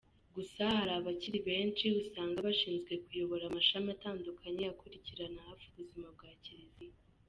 Gusa hari ababikira benshi usanga bashinzwe kuyobora amashami atandukanye akurikiranira hafi ubuzima bwa kiliziya.